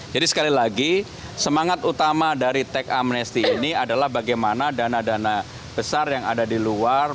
jadi sekali lagi semangat utama dari teks amnesti ini adalah bagaimana dana dana besar yang ada di luar